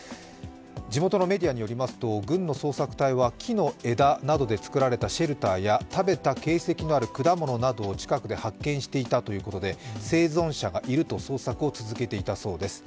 地元のメディアによりますと、軍の捜索隊は、木の枝で作られたシェルターや食べた形跡のある果物などを近くで発見していたということで、生存者がいると捜索を続けていたそうです。